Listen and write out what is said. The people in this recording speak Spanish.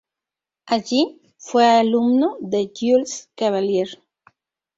Allí fue alumno de Jules Cavelier.